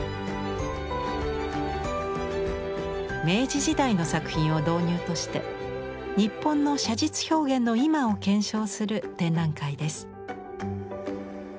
明治時代の作品を導入として日本の写実表現の今を検証する展覧会です。